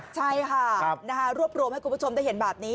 ใช่ค่ะรวบรวมให้คุณผู้ชมได้เห็นแบบนี้